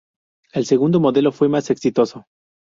El segundo modelo fue más exitoso.